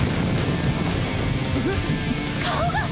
えっ⁉顔が！